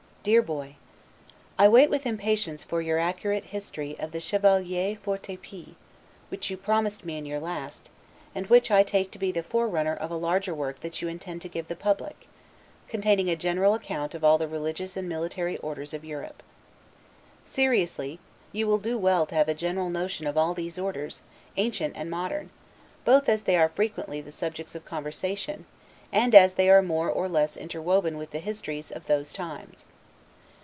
DEAR BOY: I wait with impatience for your accurate history of the 'Chevaliers Forte Epees', which you promised me in your last, and which I take to be the forerunner of a larger work that you intend to give the public, containing a general account of all the religious and military orders of Europe. Seriously, you will do well to have a general notion of all those orders, ancient and modern; both as they are frequently the subjects of conversation, and as they are more or less interwoven with the histories of those times.